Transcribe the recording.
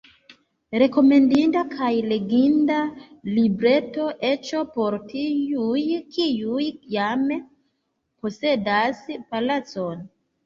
Rekomendinda kaj leginda libreto, eĉ por tiuj, kiuj jam posedas palacon!